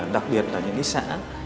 đặc biệt là những xã